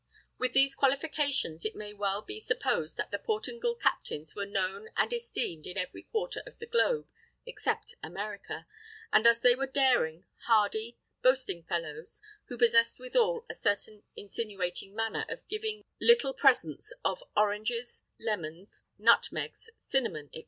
With these qualifications, it may well be supposed that the Portingal captains were known and esteemed in every quarter of the globe except America; and as they were daring, hardy, boasting fellows, who possessed withal a certain insinuating manner of giving little presents of oranges, lemons, nutmegs, cinnamon, &c.